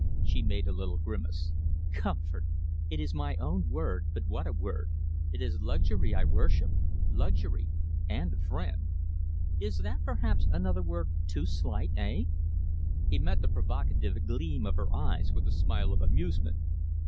She made a little grimace. "Comfort! It is my own word, but what a word! It is luxury I worship luxury and a friend. Is that, perhaps, another word too slight, eh?" He met the provocative gleam of her eyes with a smile of amusement.